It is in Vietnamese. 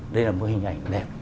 đây là một hình ảnh đẹp